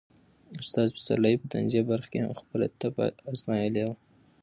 استاد پسرلي په طنزيه برخه کې هم خپله طبع ازمایلې وه.